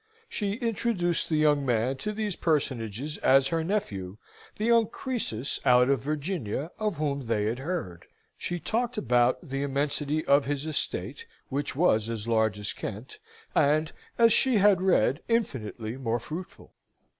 She introduced the young man to these personages as her nephew, the young Croesus out of Virginia, of whom they had heard. She talked about the immensity of his estate, which was as large as Kent; and, as she had read, infinitely more fruitful.